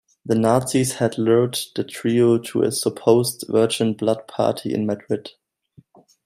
The Nazis had lured the trio to a supposed virgin-blood party in Madrid.